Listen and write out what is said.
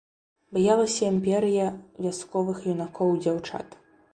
Баялася імперыя вясковых юнакоў і дзяўчат.